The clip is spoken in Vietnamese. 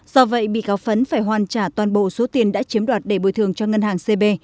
do vậy bị cáo phấn phải hoàn trả toàn bộ số tiền đã chiếm đoạt để bồi thường cho ngân hàng cb